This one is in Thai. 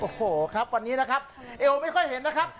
โอ้โหครับวันนี้นะครับเอวไม่ค่อยเห็นนะครับ